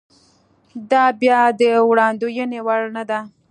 دا بیا د وړاندوېنې وړ نه ده.